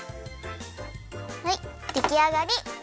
はいできあがり。